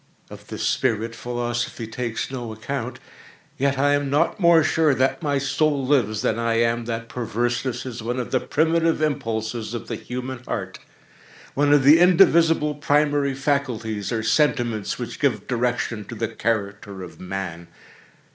Of this spirit philosophy takes no account. Yet I am not more sure that my soul lives, than I am that perverseness is one of the primitive impulses of the human heart—one of the indivisible primary faculties, or sentiments, which give direction to the character of Man.